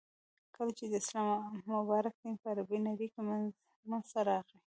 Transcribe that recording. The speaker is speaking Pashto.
،کله چی د اسلام مبارک دین په عربی نړی کی منځته راغی.